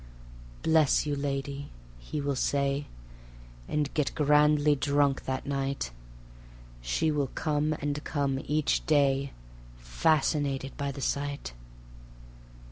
"Bless you, lady," he will say, And get grandly drunk that night. She will come and come each day, Fascinated by the sight.